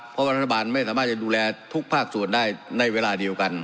เพราะว่ารัฐบาลไม่สามารถจะดูแลทุกภาคส่วนได้ในเวลาเดียวกัน